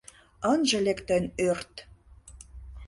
Ынже лек тыйын ӧрт: